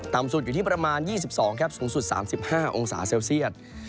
ต่ำสุดอยู่ที่ประมาณ๒๒องศาเซียตสูงสุด๓๕องศาเซลเซียต